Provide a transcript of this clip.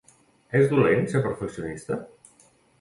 És dolent ser perfeccionista?